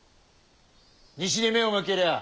西に目を向けりゃあ